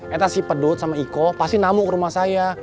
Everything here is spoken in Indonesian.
eh kasih pedut sama iko pasti namu ke rumah saya